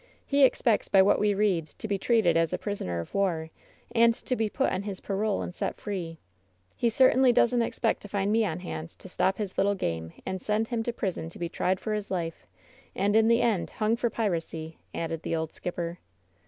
He expects, by what we read, to be treated as a prisoner of war, and to be put on his parole and set free. He certainly doesn't expect to find me on hand to stop his little game and send him to prison to be tried for his 74 WHEN SHADOWS DIE life, and in the end hung for piracy I" added the old skipper.